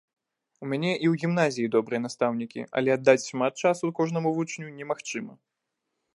У мяне і ў гімназіі добрыя настаўнікі, але аддаць шмат часу кожнаму вучню немагчыма.